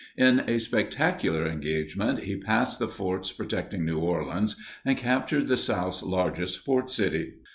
In a spectacular engagement he passed the forts protecting New Orleans and captured the South's largest port city.